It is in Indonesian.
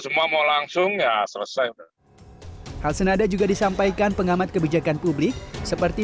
semua mau langsung ya selesai hal senada juga disampaikan pengamat kebijakan publik seperti